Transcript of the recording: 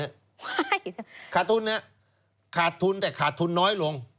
ไม่ขาดทุนเนี่ยขาดทุนแต่ขาดทุนน้อยลง